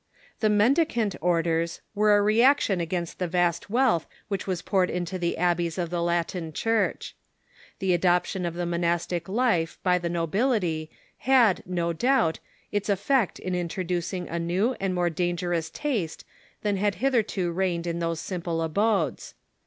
The mendicant orders were a reaction against the vast wealth which was poured into the abbeys of the Latin '^''o'rders"* Church. The adoption of the monastic life by the no bilit}'' had, no doubt, its effect in introducing a new and more dangerous taste than had hitherto reigned in those simple abodes.